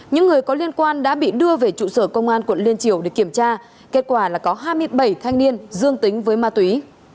những người có liên quan đã bị đưa về trụ sở công an quận liên triều để kiểm tra kết quả là có hai mươi bảy thanh niên dương tính với ma túy